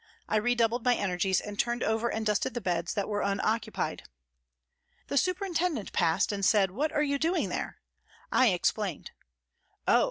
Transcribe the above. I redoubled my energies and turned over and dusted the beds that were unoccupied. The superintendent passed and said, " What are you doing there ?" I explained. " Oh